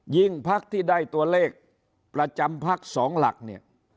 ยิ่งพักที่ได้ตัวเลขประจำพักสองหลักเนี่ย